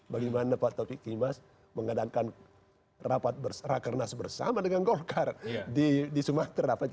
bagaimana pak taufik imas mengadakan rapat berserah karnas bersama dengan golkar di sumatera